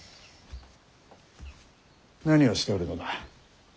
何をしておるのだ？